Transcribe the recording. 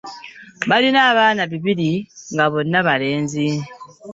Balina abaana babiri nga bonna balenzi.